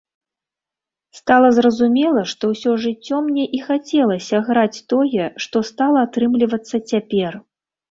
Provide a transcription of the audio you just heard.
Стала зразумела, што ўсё жыццё мне і хацелася граць тое, што стала атрымлівацца цяпер.